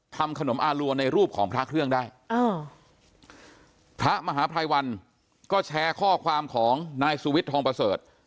ทำขนมอารัวในรูปของพระเครื่องได้พระมหาภัยวันก็แชร์ข้อความของนายสุวิทย์ทองประเสริฐ